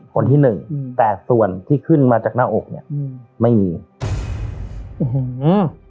คนที่หนึ่งอืมแต่ส่วนที่ขึ้นมาจากหน้าอกเนี้ยอืมไม่มีอื้อหืออืม